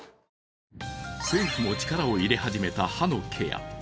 政府も力を入れ始めた歯のケア。